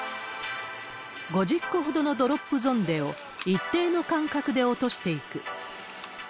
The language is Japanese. ５０個ほどのドロップゾンデを、一定の間隔で落としていく。